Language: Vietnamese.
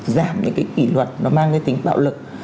giảm những cái kỷ luật nó mang cái tính bạo lực